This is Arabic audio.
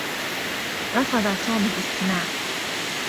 رفض توم الاستماع.